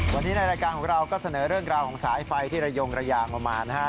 วันนี้ในรายการของเราก็เสนอเรื่องราวของสายไฟที่ระยงระยางลงมานะฮะ